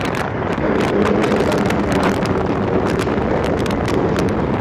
ক্যালগেরিতে বসবাসরত বাংলাদেশি মেয়ে নক্ষত্র শুক্রবারের পরিবেশনায় কয়েকটি একক নৃত্য পরিবেশন করে।